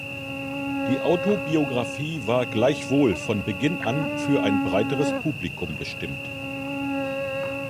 Die Autobiographie war gleichwohl von Beginn an für ein breiteres Publikum bestimmt.